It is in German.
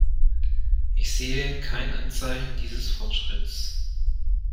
Ich sehe kein Anzeichen dieses Fortschritts.